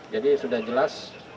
jadi sudah jelas